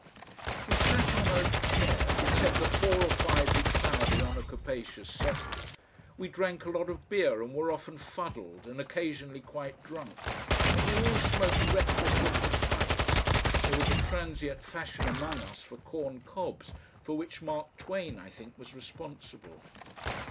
We sat on oak chairs, except the four or five who crowded on a capacious settle, we drank a lot of beer and were often fuddled, and occasionally quite drunk, and we all smoked reckless looking pipes, there was a transient fashion among us for corn cobs for which Mark Twain, I think, was responsible.